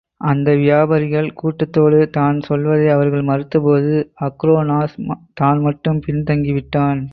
அந்த வியாபாரிகள் கூட்டத்தோடு தான் செல்வதை அவர்கள் மறுத்தபோது அக்ரோனோஸ் தான் மட்டும் பின் தங்கிவிட்டான்.